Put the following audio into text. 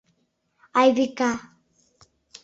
Айвика...